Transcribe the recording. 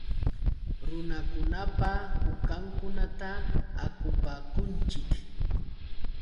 Runakunapa kukankunata akupakunchik.